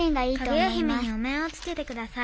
「かぐや姫にお面をつけてください」。